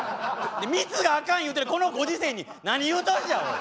密があかん言うてるこのご時世に何言うとんじゃおい！